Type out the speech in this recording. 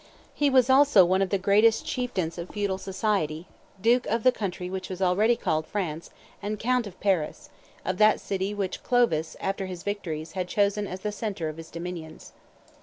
He was also one of the greatest chieftains of feudal society, duke of the country which was already called France, and count of Paris of that city which Clovis, after his victories, had chosen as the centre of his dominions.